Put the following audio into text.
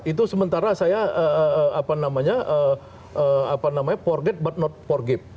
itu sementara saya apa namanya apa namanya forget but not forgive